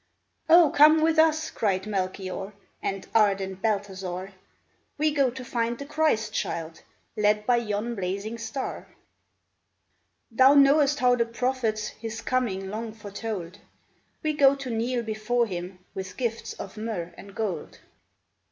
" O come with us !" cried Melchior, And ardent Balthazar, " We go to find the Christ child, Led by yon blazing star !" Thou knowest how the prophets His coming long foretold ; We go to kneel before Him With gifts of myrrh and gold."